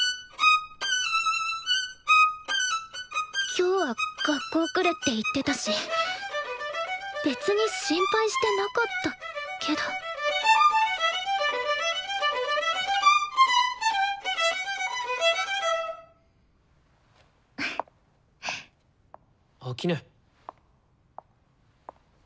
・今日は学校来るって言ってたし別に心配してなかったけど秋音。